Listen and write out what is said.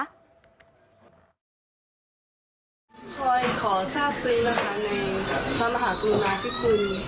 พลอยขอทราบทรีย์นะคะในพระมหากรุณาชิคกรุณ